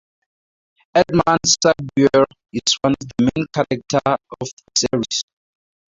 Edmund Sackbauer is the main character of the series.